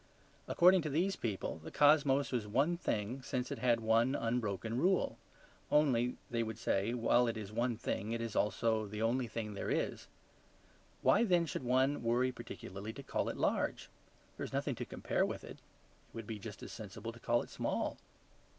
According to these people the cosmos was one thing since it had one unbroken rule. Only (they would say) while it is one thing, it is also the only thing there is. Why, then, should one worry particularly to call it large? There is nothing to compare it with. It would be just as sensible to call it small.